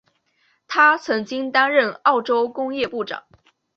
他曾经担任澳洲工业部长。